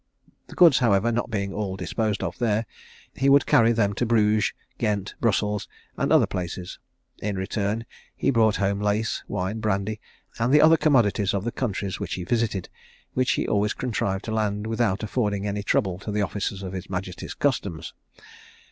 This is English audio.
The goods, however, not being all disposed of there, he would carry them to Bruges, Ghent, Brussels, and other places. In return he brought home lace, wine, brandy, and the other commodities of the countries which he visited, which he always contrived to land without affording any trouble to the officers of his Majesty's customs.